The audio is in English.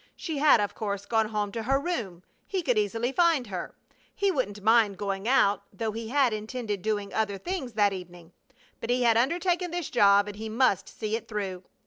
She had, of course, gone home to her room. He could easily find her. He wouldn't mind going out, though he had intended doing other things that evening; but he had undertaken this job and he must see it through.